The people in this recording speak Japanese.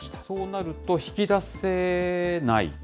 そうなると、引き出せない。